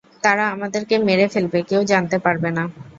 তারা আমাদেরকে মেরে ফেলবে, কেউ জানতে পারবে না।